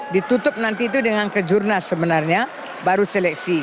ditutup nanti itu dengan kejurnas sebenarnya baru seleksi